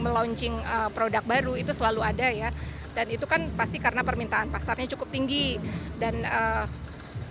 melaunching produk baru itu selalu ada ya dan itu kan pasti karena permintaan pasarnya cukup tinggi dan semua brand atau yang sudah ada terus kemudian ada juga brand yang baru muncul